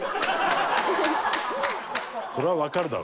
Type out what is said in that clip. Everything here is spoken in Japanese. それはわかるだろ。